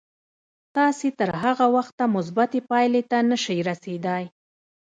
تاسې تر هغه وخته مثبتې پايلې ته نه شئ رسېدای.